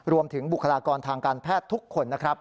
รวมถึงบุคลากรทางการแพทย์ทุกคน